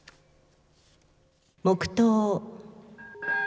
黙とう。